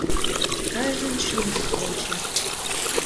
Кажнын шӱмышкӧ вонча.